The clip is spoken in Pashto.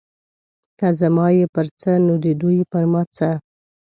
که زما یې پر څه نو د دوی پر ما څه.